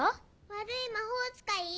悪い魔法使い？